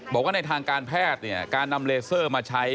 บอกว่าในทางการแพทย์เนี่ยการนำเลเซอร์มาใช้